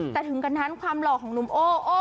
แต่ถึงกันนั้นความหล่อของหนุ่มโอ้